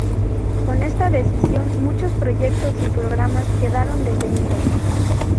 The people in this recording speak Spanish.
Con esta decisión muchos proyectos y programas quedaron detenidos.